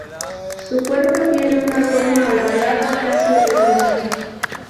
Su cuerpo tiene una forma ovalada, casi redonda.